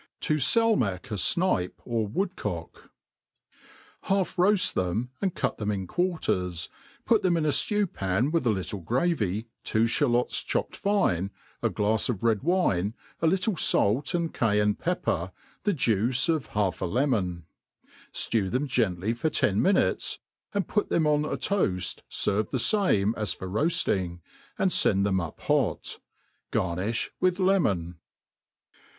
To falmic n Snipe or fVoodcock HALF roafttdem, akid cut them in quarters, put them itif ftew^^an with a little .gravy, two ftalots chcpt fine, a glafe of red wine, a liltk ialt and Cayenne fiep^er, the jui^e of 'hstf a {etfnon ; ftew them gently for ten minutes, and put tfaetn oft a toaft fetved the fatne as fot roafting, and fend them up hot. Garntfll vvkh km<e^n.